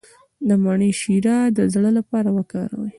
د مڼې شیره د زړه لپاره وکاروئ